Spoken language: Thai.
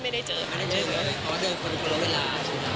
ไม่ได้เจอเลยเพราะว่าเดินคนลงเวลา